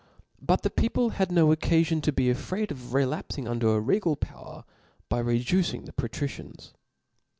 But the people hacj no Qccafion tp be afraid of relapfing under a regal pbwer, by reducing the Patricians.